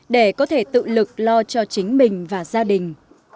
để có thể tự lực lo cho chính mình và gia đình